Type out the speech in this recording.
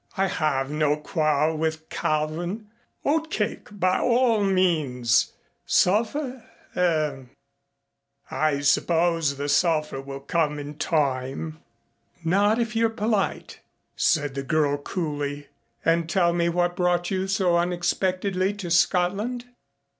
"I have no quarrel with Calvin. Oatcake by all means. Sulphur er I suppose the sulphur will come in time." "Not if you're polite," said the girl coolly, "and tell me what brought you so unexpectedly to Scotland."